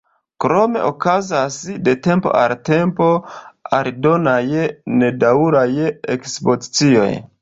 Krome okazas de tempo al tempoj aldonaj nedaŭraj ekspozicioj.